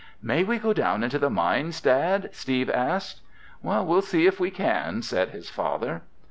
"May we go down into the mines, Dad?" Steve asked. "We'll see if we can," said his father.